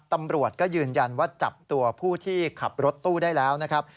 ตำรวจก็ยืนยันว่าจับตัวผู้ที่ขับรถตู้ได้แล้วนะครับ